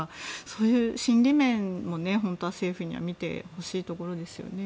そういう心理面も本当は政府には見てほしいところですよね。